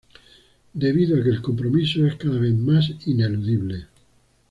Debido a que el compromiso es cada vez más ineludible.